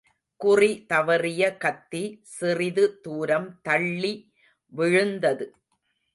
குறி தவறிய கத்தி சிறிது தூரம் தள்ளி விழுந்தது.